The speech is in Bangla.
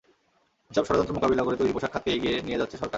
এসব ষড়যন্ত্র মোকাবিলা করে তৈরি পোশাক খাতকে এগিয়ে নিয়ে যাচ্ছে সরকার।